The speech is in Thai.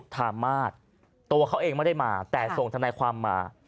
ธามาศตัวเขาเองไม่ได้มาแต่ส่งทนายความมา